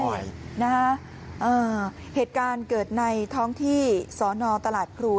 ใช่นะฮะเหตุการณ์เกิดในท้องที่สนตลาดพรู